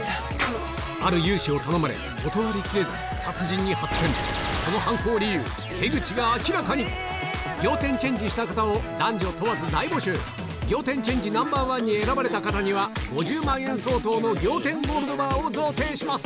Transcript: ある融資を頼まれ断りきれず殺人に発展その犯行理由手口が明らかに仰天チェンジＮｏ．１に選ばれた方には５０万円相当の仰天ゴールドバーを贈呈します